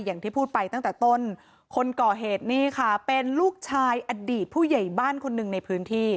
อย่างที่พูดไปตั้งแต่ต้นคนก่อเหตุนี่ค่ะเป็นลูกชายอดีตผู้ใหญ่บ้านคนหนึ่งในพื้นที่